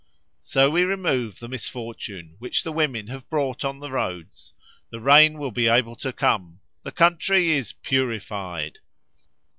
So we remove the misfortune which the women have brought on the roads; the rain will be able to come. The country is purified!"